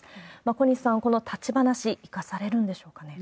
小西さん、この立ち話生かされるんでしょうかね？